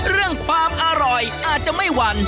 เรื่องความอร่อยอาจจะไม่หวั่น